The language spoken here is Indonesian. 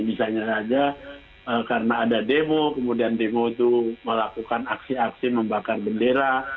misalnya saja karena ada demo kemudian demo itu melakukan aksi aksi membakar bendera